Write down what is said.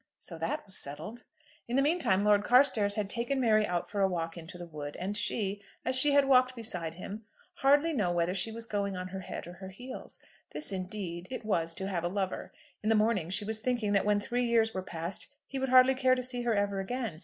So that was settled. In the mean time Lord Carstairs had taken Mary out for a walk into the wood, and she, as she walked beside him, hardly knew whether she was going on her head or her heels. This, indeed, it was to have a lover. In the morning she was thinking that when three years were past he would hardly care to see her ever again.